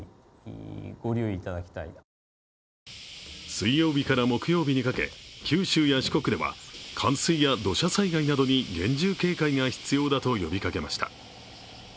水曜日から木曜日にかけ九州や四国では冠水や土砂災害などに厳重警戒が必要だと呼びかけました。